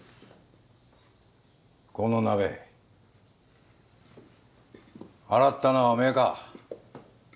この鍋洗ったのはおめえか？